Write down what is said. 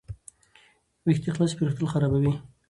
ویښتې خلاص پریښودل خرابوي.